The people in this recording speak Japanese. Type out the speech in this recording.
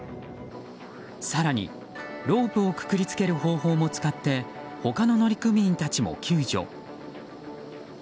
更にロープをくくりつける方法も使って他の乗組員たちも救助。